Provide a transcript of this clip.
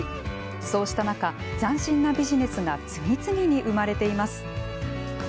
そうした中、斬新なビジネスが次々に生まれています。